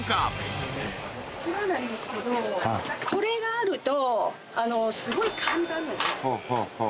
これがあると。